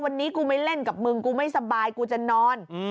วันนี้กูไม่เล่นกับมึงกูไม่สบายกูจะนอน